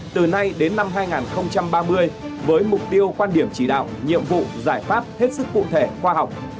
từ nay đến năm hai nghìn ba mươi với mục tiêu quan điểm chỉ đạo nhiệm vụ giải pháp hết sức cụ thể khoa học